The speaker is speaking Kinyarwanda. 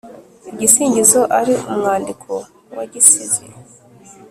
Igisingizo ari umwandiko wa gisizi;